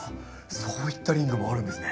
そういったリングもあるんですね。